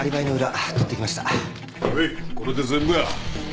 これで全部や。